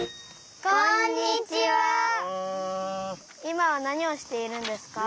いまはなにをしているんですか？